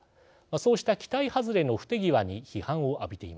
そうした期待外れの不手際に批判を浴びています。